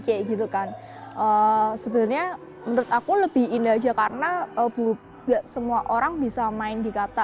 sebenarnya menurut aku lebih indah aja karena nggak semua orang bisa main di kata